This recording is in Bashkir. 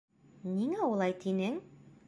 Ниңә улай тинең?